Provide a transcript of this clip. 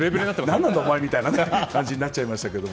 何なんだ、お前みたいになっちゃいましたけど。